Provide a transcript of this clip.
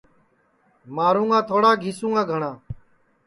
مارُوں گا تھوڑا گِیسُوں گا گھٹؔا